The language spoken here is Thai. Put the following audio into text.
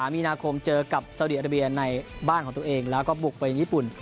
มีนาคมเจอกับสาวดีอาราเบียในบ้านของตัวเองแล้วก็บุกไปญี่ปุ่น